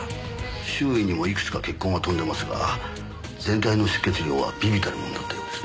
周囲にもいくつか血痕は飛んでますが全体の出血量は微々たるものだったようですね。